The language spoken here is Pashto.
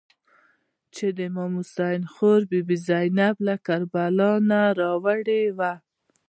چې د امام حسین خور بي بي زینب له کربلا نه راوړې وه.